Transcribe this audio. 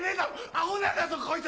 アホなんだぞこいつ！